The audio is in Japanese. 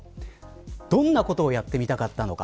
どんなことをやってみたかったのか。